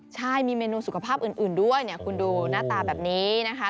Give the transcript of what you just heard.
ใช่มีเมนูสุขภาพอื่นด้วยเนี่ยคุณดูหน้าตาแบบนี้นะคะ